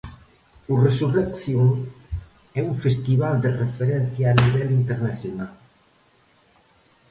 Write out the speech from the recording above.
O Resurrection é un festival de referencia a nivel internacional.